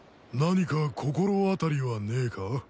何か心当たりはねえか？